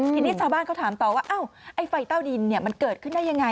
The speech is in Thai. ทีนี้ชาวบ้านเขาถามต่อว่าไอ้ไฟเต้าดินมันเกิดขึ้นได้ยังไง